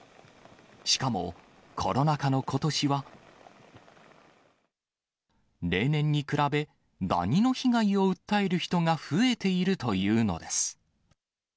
しかもコロナ禍のことしは、例年に比べ、ダニの被害を訴える人が増えているというのです。